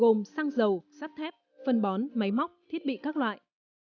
gồm xăng dầu sắt thép phân bón máy móc thiết bị các loại